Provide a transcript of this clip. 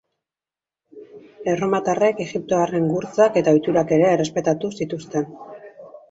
Erromatarrek egiptoarren gurtzak eta ohiturak ere errespetatu zituzten.